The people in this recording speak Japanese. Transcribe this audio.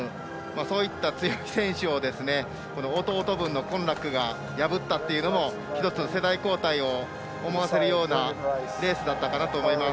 そういった強い選手を弟分のコンラックが破ったっていうのも１つ、世代交代を思わせるようなレースだったかなと思います。